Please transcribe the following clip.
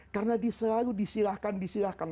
karena selalu disilahkan